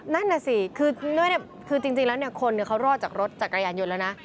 นั่นน่ะสิคือจริงแล้วคนเขารอดจากรถจักรยานยนต์แล้วนะ